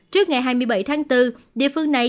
trước ngày hai mươi bảy tháng bốn địa phương này